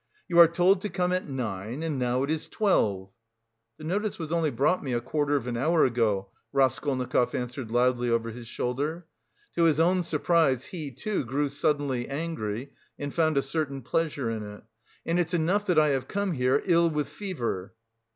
"You are told to come at nine, and now it's twelve!" "The notice was only brought me a quarter of an hour ago," Raskolnikov answered loudly over his shoulder. To his own surprise he, too, grew suddenly angry and found a certain pleasure in it. "And it's enough that I have come here ill with fever."